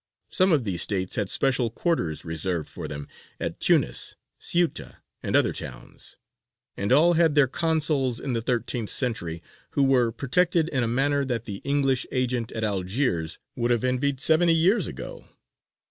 Some of these States had special quarters reserved for them at Tunis, Ceuta, and other towns; and all had their consuls in the thirteenth century, who were protected in a manner that the English agent at Algiers would have envied seventy years ago.